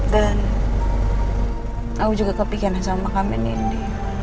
dan aku juga kepikiran sama kami nindi